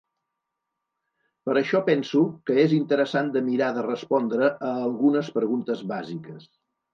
Per això penso que és interessant de mirar de respondre a algunes preguntes bàsiques.